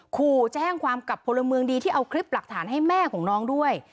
ขู่แจ้งความกับพลเมืองดีที่เอาคลิปหลักฐานให้แม่ของน้องด้วย